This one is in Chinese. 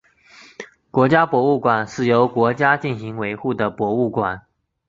国家博物馆是由国家进行维护的博物馆。